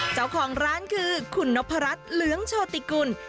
เจ้าของร้านคือคุณนพรัชเหลืองโชติกุล